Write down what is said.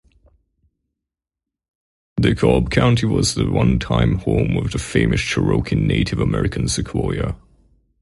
DeKalb County was the one time home of the famous Cherokee Native American Sequoyah.